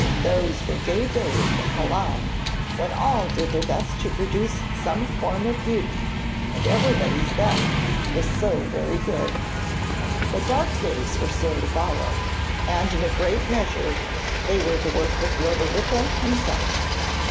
Those were gay days at Milan, when all did their best to produce some form of beauty and everybody's 'best' was so very good. But dark days were soon to follow, and in a great measure they were the work of Lodovico himself.